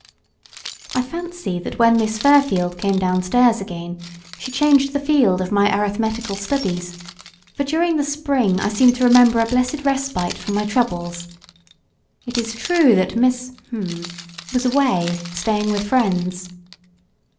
I fancy that when Miss Fairfield came downstairs again she changed the field of my arithmetical studies; for during the spring I seem to remember a blessed respite from my troubles. It is true that Miss —— was away, staying with friends.